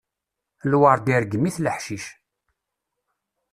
Lweṛd irgem-it leḥcic.